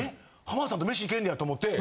浜田さんと飯行けんねやと思て。